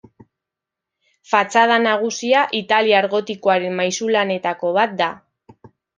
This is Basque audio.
Fatxada nagusia italiar gotikoaren maisulanetako bat da.